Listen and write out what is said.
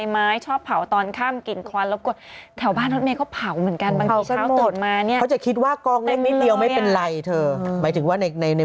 มันก็มีกฎหมายบ้านเมืองอยู่ว่าการกระทำของเจ้าหน้าที่